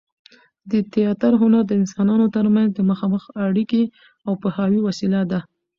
د تياتر هنر د انسانانو تر منځ د مخامخ اړیکې او پوهاوي وسیله ده.